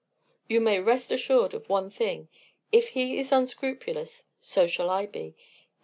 "You may rest assured of one thing: if he is unscrupulous, so shall I be.